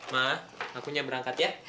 ma aku nya berangkat ya